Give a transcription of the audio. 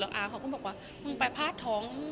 แล้วก็อืมหักคือแบบเขาบอกว่าพูดให้มึงไปพาทท้อง